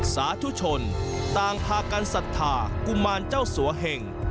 สาธุชนต่างพากันศรัทธากุมารเจ้าสัวเหง